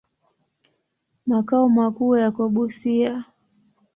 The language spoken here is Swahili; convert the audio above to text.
Makao makuu yako Busia.